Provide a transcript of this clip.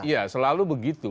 iya selalu begitu